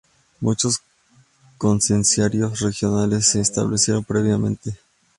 Muchos concesionarios regionales se establecieron previamente.